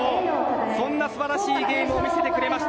そんな素晴らしいゲームを見せてくれました。